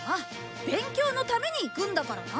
勉強のために行くんだからな！